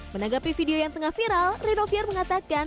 menanggapi video yang tengah viral rinoviar mengatakan